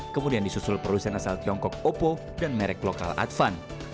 kemudian disusul produsen asal tiongkok oppo dan merek lokal advan